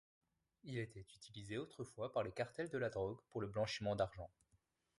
Il était utilisé autrefois par les cartels de la drogue pour le blanchiment d'argent.